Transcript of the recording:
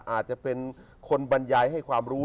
อาจจะเป็นคนบรรยายให้ความรู้